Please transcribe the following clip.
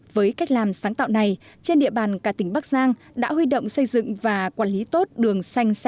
với cách làm sáng tạo này trên địa bàn cả tỉnh bắc giang đã huy động xây dựng và quản lý tốt đường xanh sạch